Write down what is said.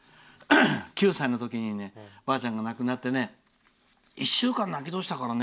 ９歳のときにばあちゃんが亡くなって１週間、泣き通したからね。